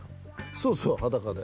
そうそう裸で。